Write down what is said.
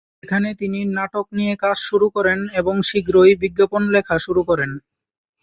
সেখানে তিনি নাটক নিয়ে কাজ শুরু করেন এবং শীঘ্রই বিজ্ঞাপন লেখা শুরু করেন।